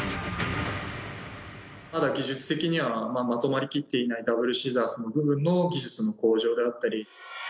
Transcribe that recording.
まだ技術的にはまとまりきっていないダブルシザースの部分の技術の向上であったり。